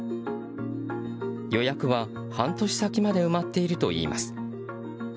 予約は半年先まで埋まっているといいます。